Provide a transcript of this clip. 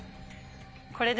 これで。